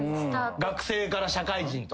学生から社会人とか。